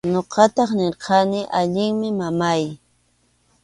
Ñuqataq nirqani: allinmi, mamáy.